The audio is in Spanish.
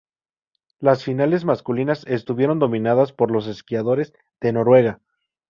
Las finales masculinas estuvieron dominadas por los esquiadores de Noruega.